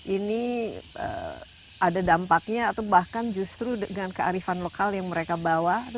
ini ada dampaknya atau bahkan justru dengan kearifan lokal yang mereka bawa